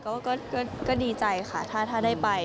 ก็ดีใจค่ะถ้าได้ไป